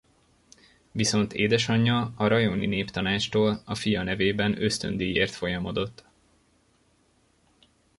Viszont édesanyja a rajoni néptanácstól a fia nevében ösztöndíjért folyamodott.